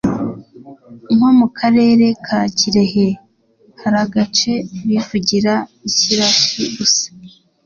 Nkomukarere ka kirehe haragace bivugira ikirashi gusa